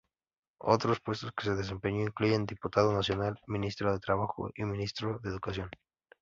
Otros puestos que desempeñó incluyen diputado nacional, Ministro de Trabajo y Ministro de Educación.